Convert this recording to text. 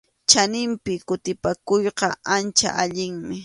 Chaninpi kutipakuyqa ancha allinmi.